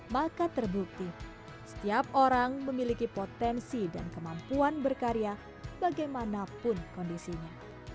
maka terbukti setiap orang memiliki potensi dan kemampuan berkarya bagaimanapun kondisinya